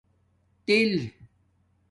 تِل